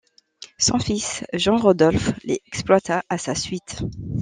Son fils, Jean-Rodolphe les exploita à sa suite.